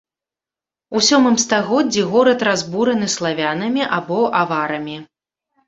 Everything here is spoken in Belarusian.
У сёмым стагоддзі горад разбураны славянамі або аварамі.